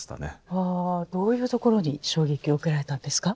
どういうところに衝撃を受けられたんですか？